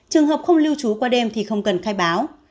trường hợp không lưu trú qua đêm thì không cần khai báo